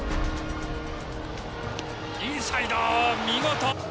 インサイド見事。